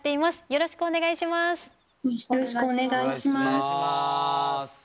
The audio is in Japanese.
よろしくお願いします。